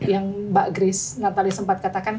yang mbak grace natali sempat katakan